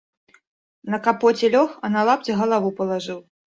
На капоце лёг, а на лапці галаву палажыў.